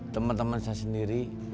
teman teman saya sendiri